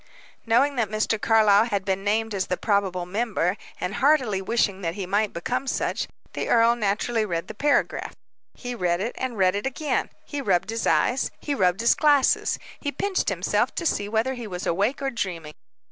Knowing that Mr. Carlyle had been named as the probable member, and heartily wishing that he might become such, the earl naturally read the paragraph. He read it, and read it again; he rubbed his eyes, he rubbed his glasses, he pinched himself, to see whether he was awake or dreaming.